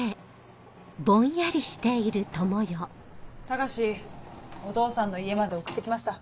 高志お父さんの家まで送って来ました。